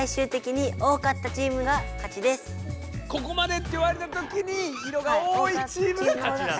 ここまでって言われたときに色がおおいチームが勝ちなんだ。